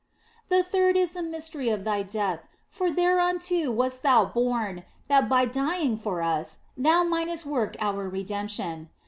" The third is the mystery of Thy death, for thereunto wast Thou born, that by dying for us Thou mightest work our redemption.